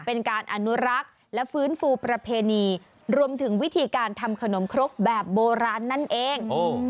เป็นการอนุรักษ์และฟื้นฟูประเพณีรวมถึงวิธีการทำขนมครกแบบโบราณนั่นเอง